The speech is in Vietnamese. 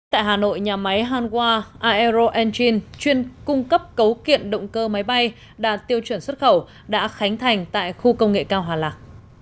tại hà nội nhà máy hanwha aero angin chuyên cung cấp cấu kiện động cơ máy bay đạt tiêu chuẩn xuất khẩu đã khánh thành tại khu công nghệ cao hòa lạc